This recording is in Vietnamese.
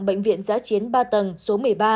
bệnh viện giã chiến ba tầng số một mươi ba